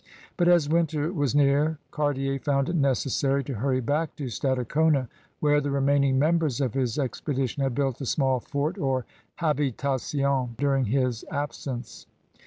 '' But as winter was near Cartler found it necessary to hiury back to Stadacona, where the remaining members of his expedition had built a small fort or habitation during his absence.